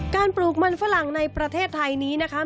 ปลูกมันฝรั่งในประเทศไทยนี้นะคะ